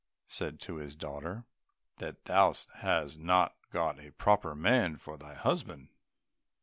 said he to his daughter, "that thou hast not got a proper man for thy husband?"